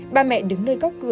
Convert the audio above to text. ba mẹ đứng nơi góc cư